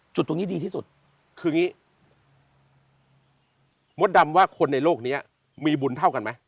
จุดตรงนี้ดีที่สุดคืออย่างนี้มดดำว่าคนในโลกนี้มีบุญเท่ากันไหม